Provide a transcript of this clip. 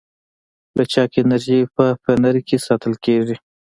لچک انرژي په فنر کې ساتل کېږي.